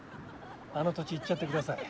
あの土地いっちゃってください。